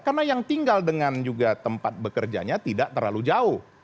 karena yang tinggal dengan juga tempat bekerjanya tidak terlalu jauh